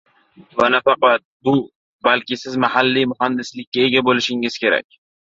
Va nafaqat bu, balki siz mahalliy muhandislikka ega boʻlishingiz kerak.